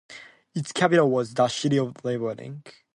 Its capital was the city of Rybnik.